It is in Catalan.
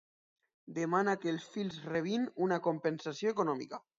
Demana que els fills rebin una compensació econòmica.